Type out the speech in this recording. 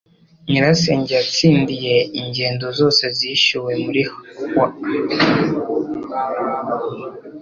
Nyirasenge yatsindiye ingendo zose zishyuwe muri Hawaii.